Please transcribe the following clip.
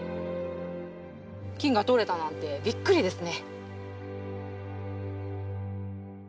金が採れたなんてびっくりですね。